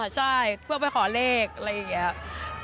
ใช่เพื่อไปขอเลขอะไรอย่างนี้